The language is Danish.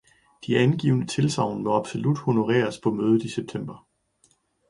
De afgivne tilsagn må absolut honoreres på mødet i september.